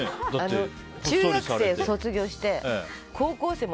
中学校を卒業して高校生も。